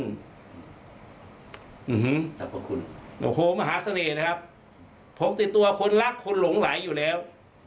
สรรพคุณโอ้โหมหาเสน่ห์นะครับพกติดตัวคนรักคนหลงไหลอยู่แล้ว